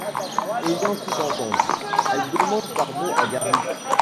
Ayant tout entendu, elle demande pardon à Garry.